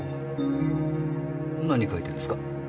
何書いてんですか？